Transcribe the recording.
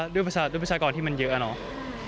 ด้วยประชากรที่มันเยอะเนาะ